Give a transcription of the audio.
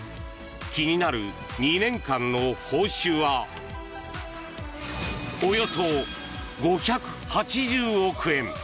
気になる２年間の報酬はおよそ５８０億円。